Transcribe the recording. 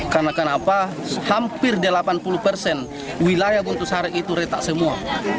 karena kenapa hampir delapan puluh persen wilayah buntu sar itu retak semua